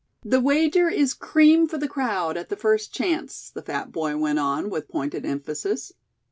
"The wager is cream for the crowd at the first chance," the fat boy went on, with pointed emphasis.